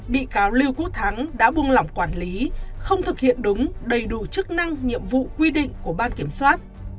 bị cáo lưu quốc thắng đã buông lỏng quản lý không thực hiện đúng đầy đủ chức năng nhiệm vụ quy định của ban kiểm soát